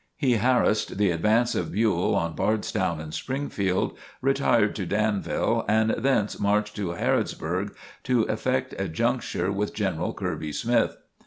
He harrassed the advance of Buell on Bardstown and Springfield, retired to Danville and thence marched to Harrodsburg to effect a juncture with General Kirby Smith.